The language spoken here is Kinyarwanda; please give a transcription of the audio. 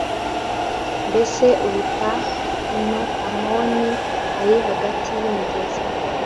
Mbese uruta i No Amoni hari hagati y’imigezi